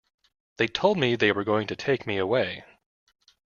They told me they were going to take me away.